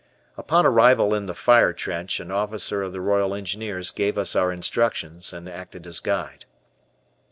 Upon arrival in the fire trench an officer of the Royal Engineers gave us our instructions and acted as guide.